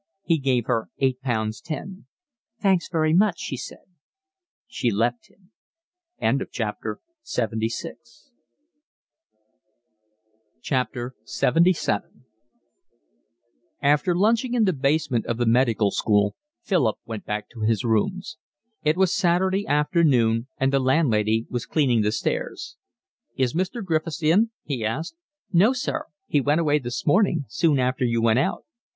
He gave her eight pounds ten. "Thanks very much," she said. She left him. LXXVII After lunching in the basement of the Medical School Philip went back to his rooms. It was Saturday afternoon, and the landlady was cleaning the stairs. "Is Mr. Griffiths in?" he asked. "No, sir. He went away this morning, soon after you went out."